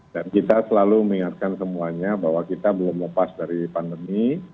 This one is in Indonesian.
dan kita selalu mengingatkan semuanya bahwa kita belum lepas dari pandemi